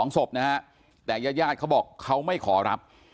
๒ศพนะฮะแต่ญาติเขาบอกเขาไม่ขอรับ